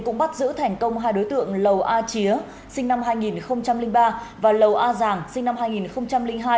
cũng bắt giữ thành công hai đối tượng lầu a chía sinh năm hai nghìn ba và lầu a giàng sinh năm hai nghìn hai